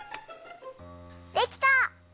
できた！